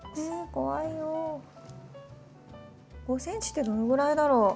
５ｃｍってどのぐらいだろう？